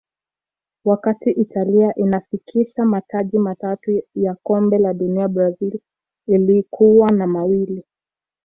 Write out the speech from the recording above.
wakati italia inafikisha mataji matatu ya kombe la dunia brazil ilikuwa na mawili